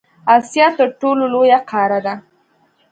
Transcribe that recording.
اسیا تر ټولو لویه قاره ده.